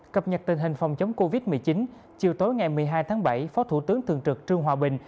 cập nhật tình hình phòng chống covid một mươi chín chiều tối ngày một mươi hai tháng bảy phó thủ tướng thường trực trương hòa bình